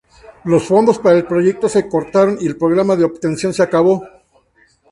Los fondos para el proyecto se cortaron y el programa de obtención se acabó.